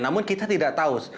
namun kita tidak tahu